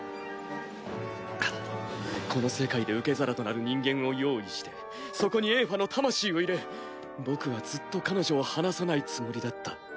はぁこの世界で受け皿となる人間を用意してそこにエーファの魂を入れ僕はずっと彼女を離さないつもりだった。